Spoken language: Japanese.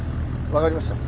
分かりました。